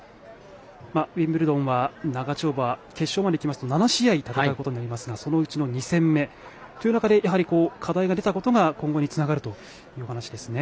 ウィンブルドンは長丁場決勝まできますと７試合戦うことになりますがそのうちの２戦目という中で課題が出たことが今後につながるという話ですね。